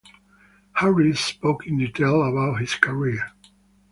Harris spoke in detail about his career.